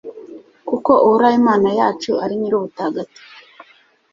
kuko Uhoraho Imana yacu ari Nyir’ubutagatifu